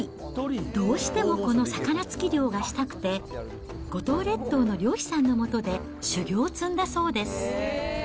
どうしてもこの魚突き漁がしたくて、五島列島の漁師さんのもとで修業を積んだそうです。